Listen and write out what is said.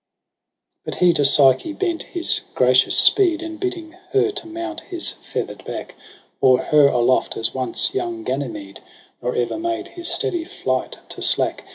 But he to Psyche bent his gracious speed. And bidding her to mount his feather'd. back Bore her aloft as once young Ganymede j Nor ever made his steady flight to slack.